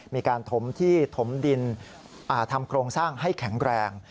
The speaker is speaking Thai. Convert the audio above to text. มีการถมที่ถมดินทำโครงสร้างให้แข็งแรง